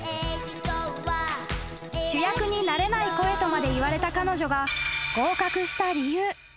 ［主役になれない声とまで言われた彼女が合格した理由］